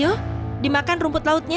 ya tuhan kerasa kerasanya